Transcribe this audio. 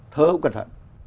thơ cũng cẩn thận